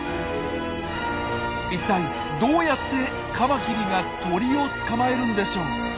一体どうやってカマキリが鳥を捕まえるんでしょう？